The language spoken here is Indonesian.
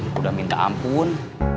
sudah minta ampun